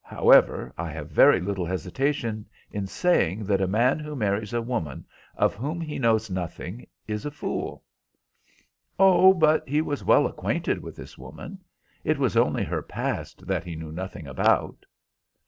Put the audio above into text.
However, I have very little hesitation in saying, that a man who marries a woman of whom he knows nothing, is a fool." "Oh, but he was well acquainted with this woman. It was only her past that he knew nothing about."